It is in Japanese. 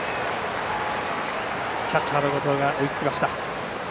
キャッチャーの後藤が追いつきました。